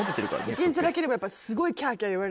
一日だけでもすごいキャキャ言われる。